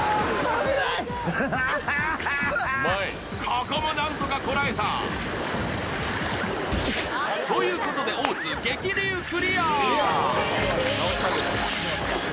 ここも何とかこらえた！ということで大津、激流クリア。